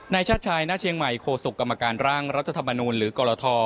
ชาติชายณเชียงใหม่โคศกกรรมการร่างรัฐธรรมนูลหรือกรท